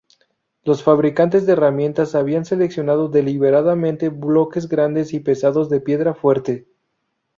Los fabricantes de herramientas habían seleccionado deliberadamente bloques grandes y pesados de piedra fuerte.